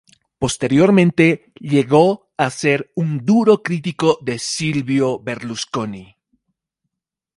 Posteriormente, llegó a ser un duro crítico de Silvio Berlusconi.